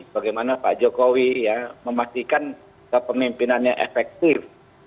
bagaimana pak jokowi ya memastikan kepemimpinannya efektif